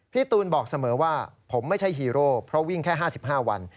ตูนบอกเสมอว่าผมไม่ใช่ฮีโร่เพราะวิ่งแค่๕๕วัน